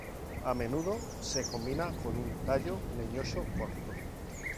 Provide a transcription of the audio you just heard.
A menudo se combina con un tallo leñoso corto.